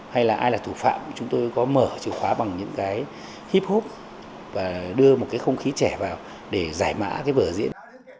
hay là ai là thủ phạm chúng tôi có mở chìa khóa bằng những cái hip hút và đưa một cái không khí trẻ vào để giải mã cái vở diễn